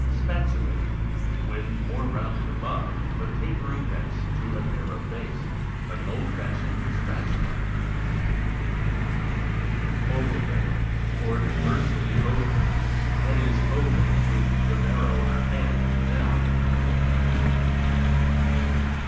Spatulate (Fig. 122) when more rounded above, but tapering thence to a narrow base, like an old fashioned spatula. Obovate (Fig. 123) or inversely ovate, that is, ovate with the narrower end down.